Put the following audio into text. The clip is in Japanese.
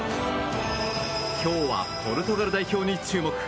今日はポルトガル代表に注目。